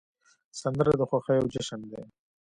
سندره د خوښیو جشن دی